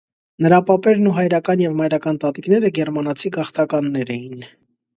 Նրա պապերն ու հայրական և մայրական տատիկները գերմանացի գաղթականներ էին։